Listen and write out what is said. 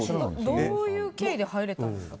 どういう経緯で入れたんですか？